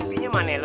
mungkinnya maneh lu